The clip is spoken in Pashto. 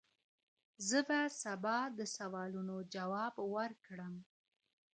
زه به سبا د سوالونو جواب ورکړم!.